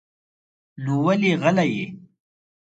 نو ولې غلی يې؟